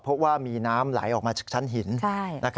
เพราะว่ามีน้ำไหลออกมาจากชั้นหิน